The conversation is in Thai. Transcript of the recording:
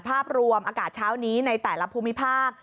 ภาพรวมอากาศเช้านี้ในแต่ละภูมิภาค